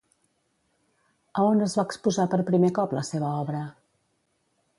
A on es va exposar per primer cop la seva obra?